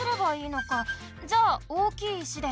じゃあ大きい石で。